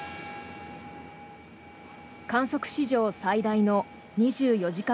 観測史上最大の２４時間